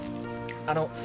あの。